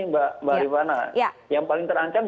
ini mbak rewana yang paling terancam